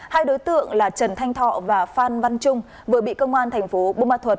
hai đối tượng là trần thanh thọ và phan văn trung vừa bị công an thành phố bumathuật